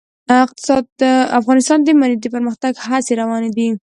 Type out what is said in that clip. افغانستان کې د منی د پرمختګ هڅې روانې دي.